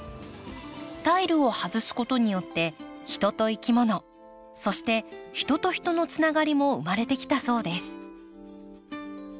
タイルを外すことによって人といきものそして人と人のつながりも生まれてきたそうです。